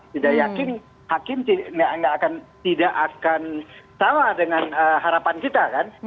tidak yakin hakim tidak akan sama dengan harapan kita kan